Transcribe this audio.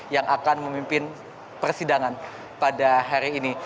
yang akan memimpin persidangan pada hari ini